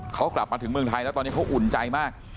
เขากลับมาถึงเมืองไทยแล้วตอนนี้เขาอุ่นใจมาก